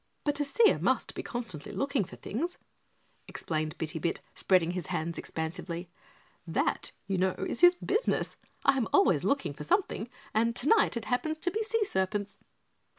"But a seer must be constantly looking for things," explained Bitty Bit, spreading his hands expansively, "that, you know, is his business. I am always looking for something and tonight it happens to be sea serpents."